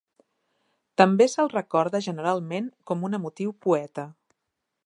També se'l recorda generalment com un emotiu poeta.